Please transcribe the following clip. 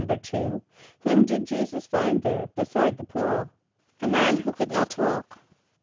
a].= =2.= Whom did J[=e]´[s+]us find there, beside the pool? =A man who could not walk.